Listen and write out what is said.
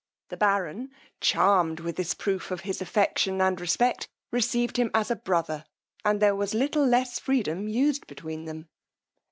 The baron, charm'd with this proof of his affection and respect, received him as a brother, and there was little less freedom used between them.